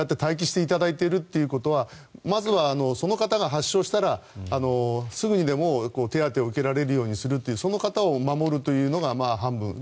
こうやって待機していただいているということはその方が発症したらすぐにでも手当てを受けられるようにするというその方を守るというのが半分。